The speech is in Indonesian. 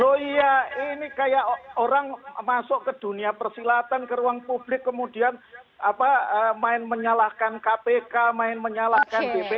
oh iya ini kayak orang masuk ke dunia persilatan ke ruang publik kemudian main menyalahkan kpk main menyalahkan dpp